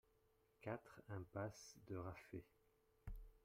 quatre impasse de Raffet